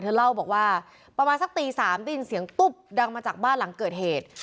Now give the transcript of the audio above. เล่าบอกว่าประมาณสักตี๓ได้ยินเสียงตุ๊บดังมาจากบ้านหลังเกิดเหตุ